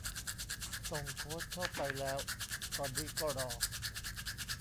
ส่งโค้ดเข้าไปแล้ว ตอนนี้ก็รอ